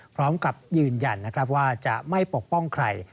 พร้อมกับยืนยันนะครับว่าจะไม่ปกป้องใคร